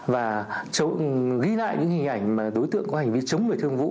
và ghi lại những hình ảnh đối tượng có hành vi chống người thương vụ